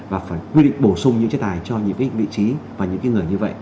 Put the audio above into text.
và phải quy định bổ sung những chế tài cho những vị trí và những người như vậy